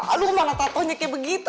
aduh mana tato nya kayak begitu